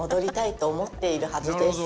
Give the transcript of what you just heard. と思っているはずです。